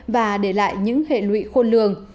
và để lại những hệ lụy khôn lường